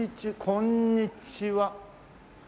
こんにちは。